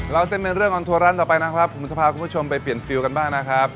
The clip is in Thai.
เส้นเป็นเรื่องออนทัวร์ร้านต่อไปนะครับผมจะพาคุณผู้ชมไปเปลี่ยนฟิลกันบ้างนะครับ